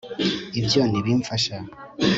ibyo ntibimfasha